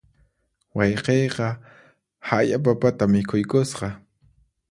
Wayqiyqa haya papata mikhuykusqa.